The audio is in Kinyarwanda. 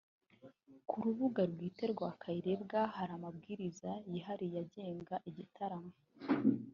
Ku rubuga bwite rwa Kayirebwa hari amabwiriza yihariye agenga igitaramo